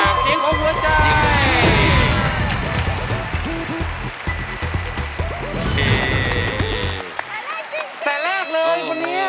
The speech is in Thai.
มีตั้งแต่แรกแล้วค่ะ